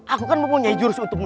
aku akan mentyes thank you